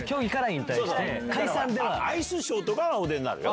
アイスショーとかお出になるよ。